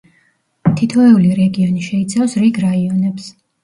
თითოეული რეგიონი შეიცავს რიგ რაიონებს.